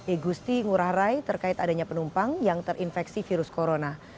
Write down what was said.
igusti ngurah rai terkait adanya penumpang yang terinfeksi virus corona